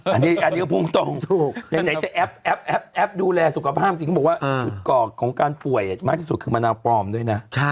อันนี้ก็พูดตรงถูกไหนจะแอปแอปดูแลสุขภาพจริงเขาบอกว่าจุดกอกของการป่วยมากที่สุดคือมะนาวปลอมด้วยนะ